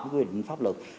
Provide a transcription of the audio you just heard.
với quy định pháp lực